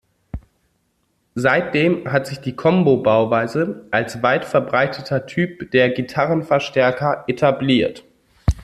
Seitdem hat sich die Combo-Bauweise als weit verbreiteter Typ der Gitarrenverstärker etabliert.